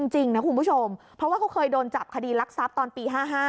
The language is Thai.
จริงนะคุณผู้ชมเพราะว่าเขาเคยโดนจับคดีรักทรัพย์ตอนปี๕๕